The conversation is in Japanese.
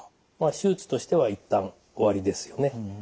手術としては一旦終わりですよね。